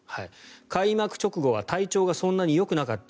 開幕直後は体調がそんなによくなかった。